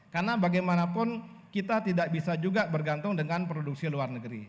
karena bagaimanapun kita tidak bisa juga bergantung dengan produksi luar negeri